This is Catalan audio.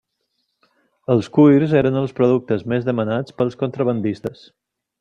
Els cuirs eren els productes més demanats pels contrabandistes.